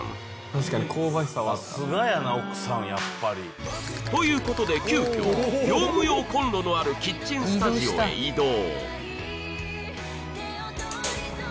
確かに香ばしさはあったということで急きょ業務用コンロのあるキッチンスタジオへ移動